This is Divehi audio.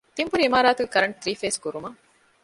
ތިންބުރި އިމާރާތުގެ ކަރަންޓް ތްރީފޭސް ކުރުމަށް